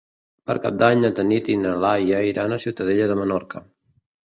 Per Cap d'Any na Tanit i na Laia iran a Ciutadella de Menorca.